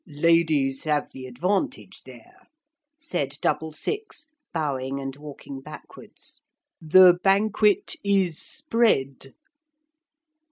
'Ladies have the advantage there,' said Double six, bowing and walking backwards. 'The banquet is spread.'